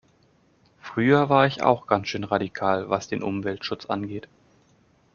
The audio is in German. Früher war ich auch ganz schön radikal was den Umweltschutz angeht.